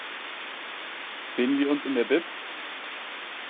Sehen wir uns in der Bib?